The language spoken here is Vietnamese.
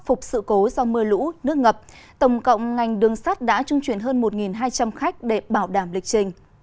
phục sự cố do mưa lũ nước ngập tổng cộng ngành đường sắt đã trung chuyển hơn một hai trăm linh khách để bảo đảm lịch trình